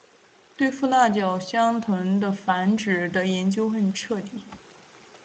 对富纳角箱鲀的繁殖的研究很彻底。